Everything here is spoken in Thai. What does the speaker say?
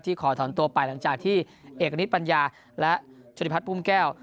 ขอถอนตัวไปหลังจากที่เอกณิตปัญญาและชุริพัฒนภูมิแก้ว